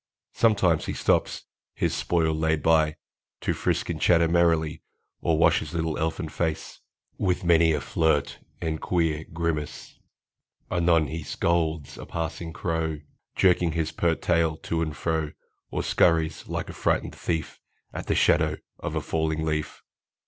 Sometimes he stops, his spoil laid by, To frisk and chatter merrily, Or wash his little elfin face, With many a flirt and queer grimace. Anon he scolds a passing crow, Jerking his pert tail to and fro, Or scurries like a frightened thief At shadow of a falling leaf.